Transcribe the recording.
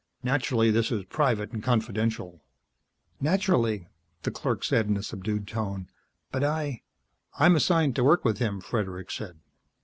"Naturally, this is private and confidential " "Naturally," the clerk said in a subdued tone. "But I " "I'm assigned to work with him," Fredericks said.